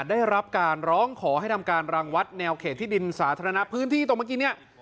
ได้รับการร้องขอให้ทำการรังวัดแนวเขตที่ดินสาธารณะพื้นที่ตรงเมื่อกี้เนี่ย